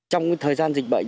trong thời gian dịch bệnh